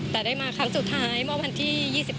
แต่ได้มาครั้งสุดท้ายเมื่อวันที่๒๙